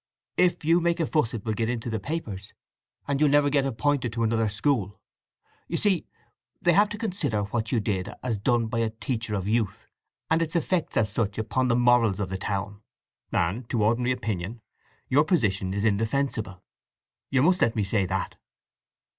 "If you make a fuss it will get into the papers, and you'll never get appointed to another school. You see, they have to consider what you did as done by a teacher of youth—and its effects as such upon the morals of the town; and, to ordinary opinion, your position is indefensible. You must let me say that."